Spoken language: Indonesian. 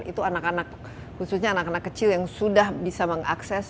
itu anak anak khususnya anak anak kecil yang sudah bisa mengakses